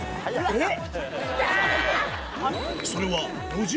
えっ！